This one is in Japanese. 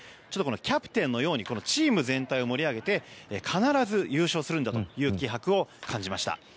キャプテンのようにチーム全体を盛り上げて必ず優勝するんだという気迫を感じました。